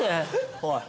おい。